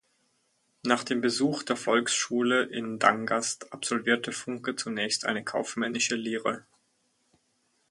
Nach dem Besuch der Volksschule in Dangast absolvierte Funke zunächst eine kaufmännische Lehre.